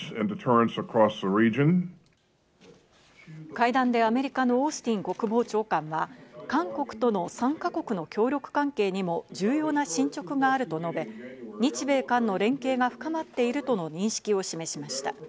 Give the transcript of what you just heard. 会談でアメリカのオースティン国防長官は、韓国との３か国の協力関係にも重要な進捗があると述べ、日米韓の連携が深まっているとの認識を示しました。